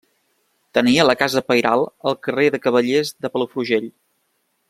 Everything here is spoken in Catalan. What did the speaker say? Tenia la casa pairal al carrer de Cavallers de Palafrugell.